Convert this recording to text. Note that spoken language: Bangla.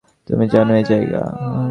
তুমি জানো এই জায়গা?